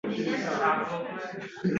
Bahor, havo ancha issiq.